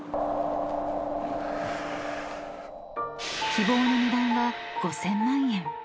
［希望の値段は５，０００万円］